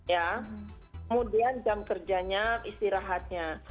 kemudian jam kerjanya istirahatnya